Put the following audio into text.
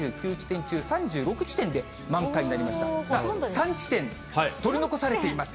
３地点、取り残されています。